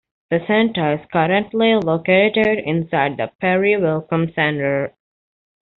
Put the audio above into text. The center is currently located inside the Perry Welcome Center.